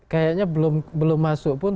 kayaknya belum masuk pun